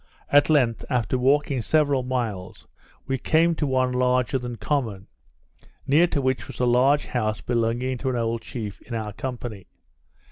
At length, after walking several miles, we came to one larger than common; near to which was a large house belonging to an old chief, in our company.